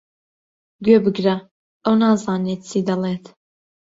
گوێبگرە، ئەو نازانێت چی دەڵێت.